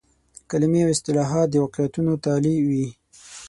کلمې او اصطلاحات د واقعیتونو تالي وي.